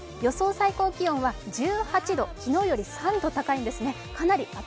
最高気温は１８度、昨日より３度高いんですね。